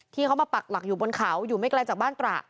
ที่เขามาปักหลักอยู่บนเขาอยู่ไม่ไกลจากบ้านตระ